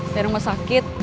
dari rumah sakit